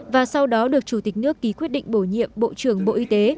và sau đó được chủ tịch nước ký quyết định bổ nhiệm bộ trưởng bộ y tế